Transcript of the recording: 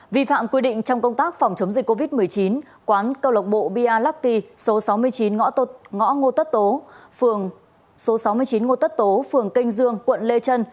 vì phạm quy định trong công tác phòng chống dịch covid một mươi chín quán câu lộc bộ bia lucky số sáu mươi chín ngõ tất tố phường kênh dương quận lê trân